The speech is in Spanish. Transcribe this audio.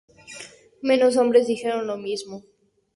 Menos hombres dijeron lo mismo.